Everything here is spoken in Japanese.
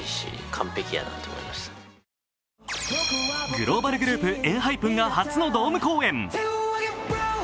グローバルグループ、ＥＮＨＹＰＥＮが初のドーム公演。